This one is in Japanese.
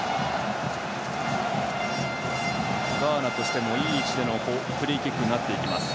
ガーナとしてもいい位置でのフリーキックになっています。